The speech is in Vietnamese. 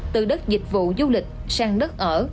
từ đất dịch vụ du lịch sang đất ở